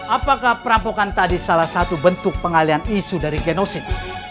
apakah perampokan tadi salah satu bentuk pengalian isu dari genosik